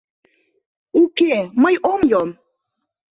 Уке, мый ом йом!..